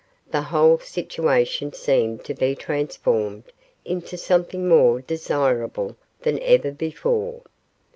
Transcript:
The whole situation seemed to be transformed into something more desirable than ever before.